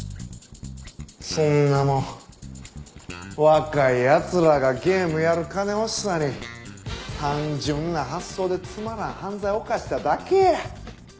そんなもん若い奴らがゲームやる金欲しさに単純な発想でつまらん犯罪犯しただけや。